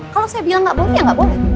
kalo saya bilang gak boleh ya gak boleh